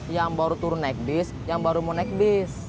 yang baru turun naik bis yang baru mau naik bis